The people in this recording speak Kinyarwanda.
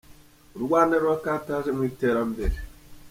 U Rwanda rurakataje mu iterambere.